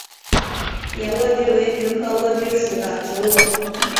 野莴苣为菊科莴苣属的植物。